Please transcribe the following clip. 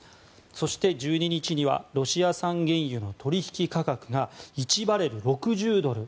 そして、１２日にはロシア産原油の取引価格が１バレル＝６０ドル。